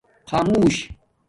خآمُݸش